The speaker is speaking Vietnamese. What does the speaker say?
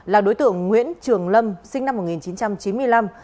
là đối tượng nguyễn trường lâm sinh năm một nghìn chín trăm chín mươi năm